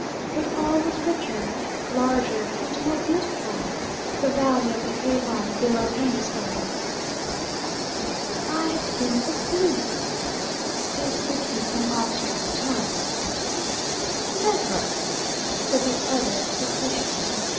But all was richer, larger, and more beautiful the valley of the Avon below Amesbury. "I've been asleep!" said Rickie, in awestruck tones. "Never!" said the other facetiously.